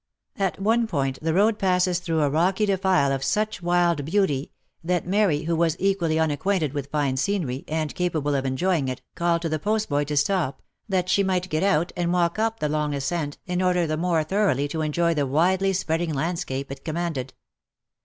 At one point the road passes through a rocky defile of such wild beauty, that Mary, who was equally unacquainted with fine scenery, and capable of enjoying it, called to the postboy to stop, that she might get out and walk up the long ascent, in order the more thoroughly to enjoy the widely spreading landscape it commanded.